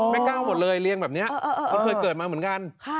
ก้าวหมดเลยเรียงแบบนี้มันเคยเกิดมาเหมือนกัน